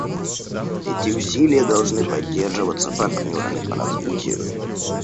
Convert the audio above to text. Эти усилия должны поддерживаться партнерами по развитию.